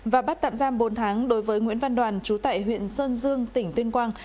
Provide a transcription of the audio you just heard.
và bắt tạm giam bốn tháng đối với nguyễn văn đoàn chú tại huyện sơn dương tỉnh tuyên quang